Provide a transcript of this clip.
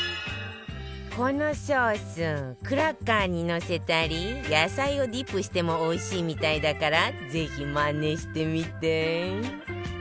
このソースクラッカーにのせたり野菜をディップしてもおいしいみたいだからぜひまねしてみて